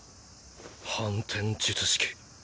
反転術式。